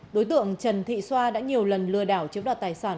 đối tượng trần thị xoa đã nhiều lần lừa đảo chiếm đoạt tài sản